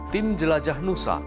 tim jelajah nusa